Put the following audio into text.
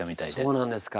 そうなんですか。